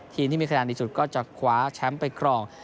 ทีมที่มีขนาดดีสุดก็จะคว้าแชมป์ไปครอง